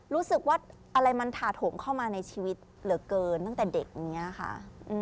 รู้สึกว่าอะไรมันถาโถมเข้ามาในชีวิตเหลือเกินตั้งแต่เด็กอย่างนี้ค่ะ